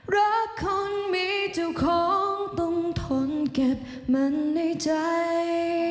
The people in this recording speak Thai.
รักคนมีเจ้าของต้องทนเก็บมันในใจ